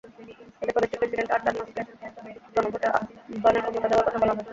এতে প্রদেশটির president Artur মাসকে গণভোট আহ্বানের ক্ষমতা দেওয়ার কথা বলা হয়।